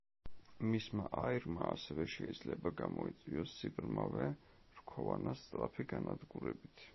მისმა აირმა ასევე შეიძლება გამოიწვიოს, სიბრმავე რქოვანას სწრაფი განადგურებით.